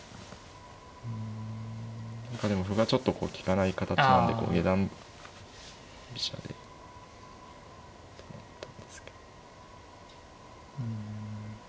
何かでも歩がちょっとこう利かない形なんでこう下段飛車でと思ったんですけど。